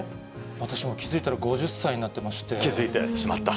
私も気付いたら５０歳になっ気付いてしまった？